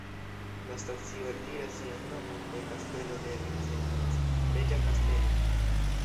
La stacio eltiras sian nomon de Kastelo de Vincennes, reĝa kastelo.